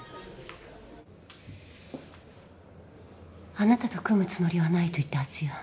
あなたと組むつもりはないと言ったはずよ。